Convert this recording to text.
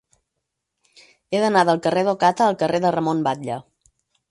He d'anar del carrer d'Ocata al carrer de Ramon Batlle.